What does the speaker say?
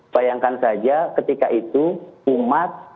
bayangkan saja ketika itu umat